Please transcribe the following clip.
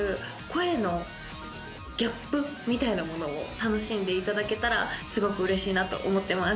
みたいなものを楽しんでいただけたらすごくうれしいなと思ってます。